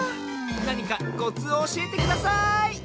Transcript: なにかコツをおしえてください